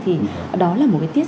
thì đó là một cái tiết